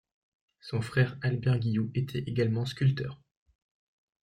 Son frère Albert Guilloux était également sculpteur.